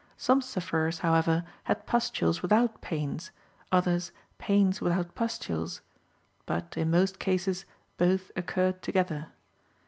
Some sufferers, however, had pustules without pains, others pains without pustules; but, in most cases, both occurred together.